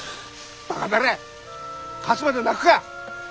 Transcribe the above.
バカタレ勝つまで泣くか！